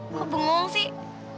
kok bengong sih